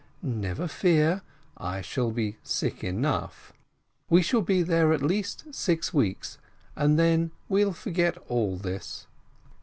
"Never fear, I shall be sick enough: we shall be there at least six weeks, and then we'll forget all this."